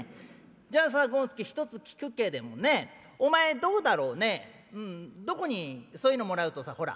じゃあさ権助１つ聞くけれどもねお前どうだろうねどこにそういうのもらうとさほら